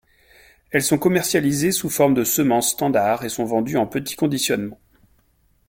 Elles sont commercialisées sous forme de semences standard et sont vendues en petits conditionnements.